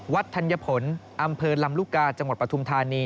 ธัญผลอำเภอลำลูกกาจังหวัดปฐุมธานี